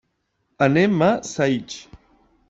Anem a Saix.